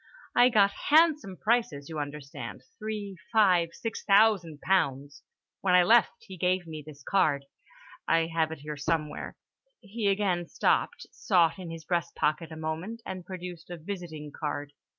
I got handsome prices, you understand, three, five, six thousand pounds. When I left, he gave me this card—I have it here somewhere—" he again stopped, sought in his breastpocket a moment, and produced a visiting card.